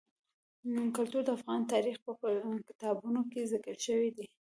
کلتور د افغان تاریخ په کتابونو کې ذکر شوی دي.